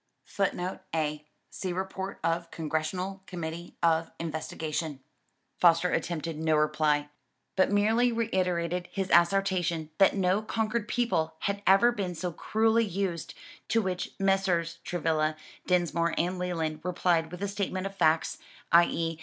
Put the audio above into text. [Footnote A: See report of Congressional Committee of Investigation] Foster attempted no reply, but merely reiterated his assertion that no conquered people had ever been so cruelly used; to which Messrs. Travilla, Dinsmore and Leland replied with a statement of facts, i.e.